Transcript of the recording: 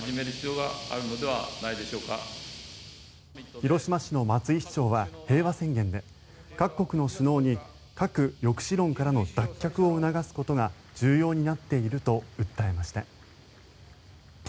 広島市の松井市長は平和宣言で各国の首脳に核抑止論からの脱却を促すことが重要になっていると訴えました。